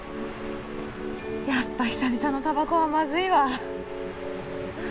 やっぱ久々のタバコはまずいわ。